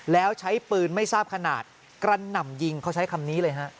แล้วใช้ปืนไม่ทราบขนาดกระหน่ำยิงเขาใช้คำนี้เลยฮะ